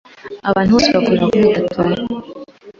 Abantu bose bakundaga kumwita Tony.